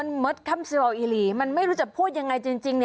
มันเมิดคำเสียวอิหรี่มันไม่รู้จะพูดอย่างไรจริง